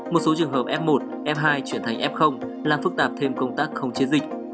một số trường hợp f một f hai chuyển thành f làm phức tạp thêm công tác không chế dịch